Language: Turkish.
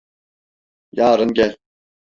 Yarın gel.